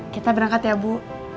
kita berangkat ya bu